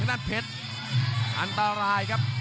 กรรมการเตือนทั้งคู่ครับ๖๖กิโลกรัม